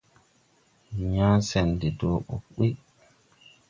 Ndi yãã sɛn de dɔɔ ɓɔg ɓuy.